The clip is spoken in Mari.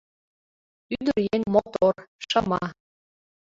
Ӱдыръеҥ мотор, шыма